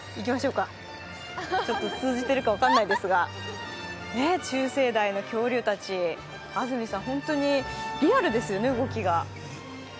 通じているか分からないんですが、中生代の恐竜たち、安住さん、本当にリアルですよね、動きが。